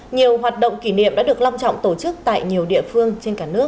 nhiều hoạt động kỷ niệm đã được long trọng tổ chức tại nhiều địa phương trên cả nước